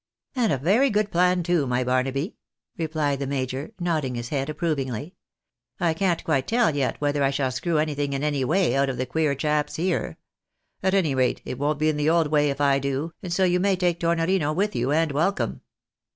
" And a very good plan to, my Barnaby," replied the major, nodding his head approvingly. " I can't quite tell yet whether I shall screw anything, in any way, out of the queer chaps here. At any rate it won't be in the old way if I do, and so you may take Tornorino with you and welcome."